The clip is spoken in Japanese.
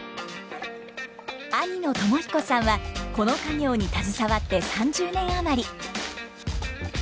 兄の友彦さんはこの家業に携わって３０年余り。